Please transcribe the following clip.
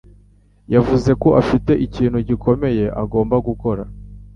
yavuze ko afite ikintu gikomeye agomba gukora.